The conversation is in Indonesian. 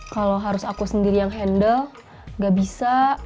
kalau harus aku sendiri yang handle gak bisa